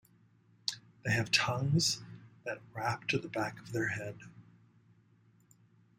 They have tongues that wrap to the back of their head.